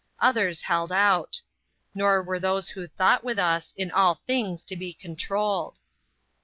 Others held out. Nor were those who thought with us, in all things to be controlled.